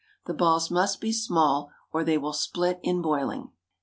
The balls must be small or they will split in boiling.